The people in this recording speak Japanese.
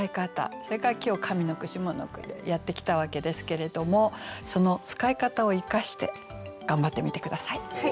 それから今日上の句下の句でやってきたわけですけれどもその使い方を生かして頑張ってみて下さい。